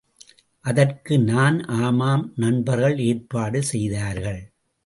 அதற்கு நான் ஆமாம் நண்பர்கள் ஏற்பாடு செய்தார்கள்.